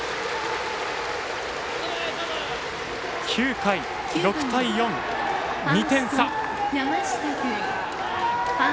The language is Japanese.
９回、６対４、２点差。